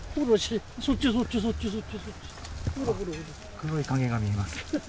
黒い影が見えます。